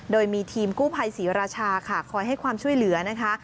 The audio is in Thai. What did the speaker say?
โดยมีทีมกู้ภัยศรีราชาค่ะคอยให้ความช่วยเหลือนะคะ